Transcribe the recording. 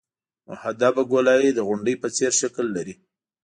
محدب ګولایي د غونډۍ په څېر شکل لري